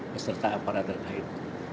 beserta aparat terkait